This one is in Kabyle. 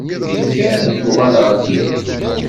Nekker ad d-nuɣal ɣer temdint.